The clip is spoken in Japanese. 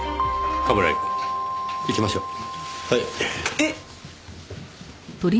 えっ。